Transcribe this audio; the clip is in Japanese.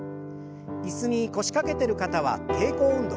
椅子に腰掛けてる方は抵抗運動。